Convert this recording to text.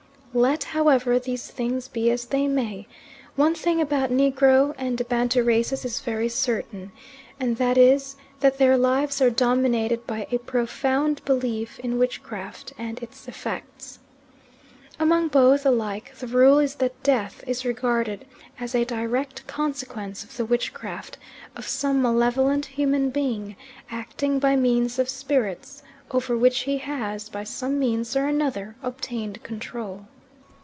Let, however, these things be as they may, one thing about Negro and Bantu races is very certain, and that is that their lives are dominated by a profound belief in witchcraft and its effects. Among both alike the rule is that death is regarded as a direct consequence of the witchcraft of some malevolent human being, acting by means of spirits, over which he has, by some means or another, obtained control.